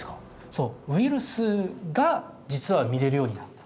そうウイルスが実は見れるようになった。